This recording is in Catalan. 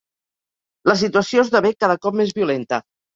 La situació esdevé cada cop més violenta.